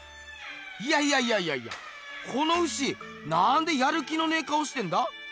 いやいやいやいやこの牛なんでやる気のねえ顔してんだ？